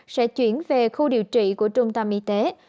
sẽ chuyển về khu điều trị của trung tâm y tế